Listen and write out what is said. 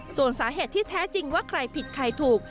ส่วนสาเหตุที่แท้จริงว่าใครผิดใครถูก